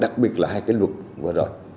đặc biệt là hai cái luật vừa rồi